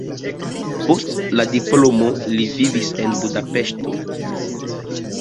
Post la diplomo li vivis en Budapeŝto.